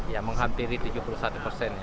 ya menghampiri tujuh puluh satu persen ya